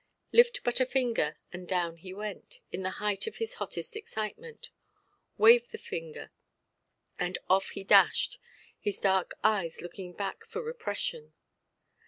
Lift but a finger, and down he went, in the height of his hottest excitement; wave the finger, and off he dashed, his great eyes looking back for repression.